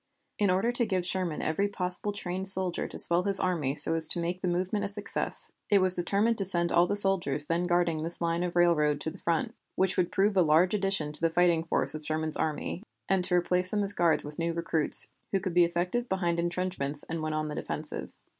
In order to give Sherman every possible trained soldier to swell his army so as to make the movement a success, it was determined to send all the soldiers then guarding this line of railroad to the front, which would prove a large addition to the fighting force of Sherman's army, and to replace them as guards with new recruits, who could be effective behind intrenchments and when on the defensive.